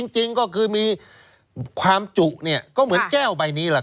จริงก็คือมีของของความจุก็เหมือนแก้วใบนี้